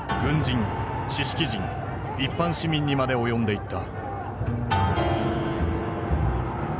軍人知識人一般市民にまで及んでいった。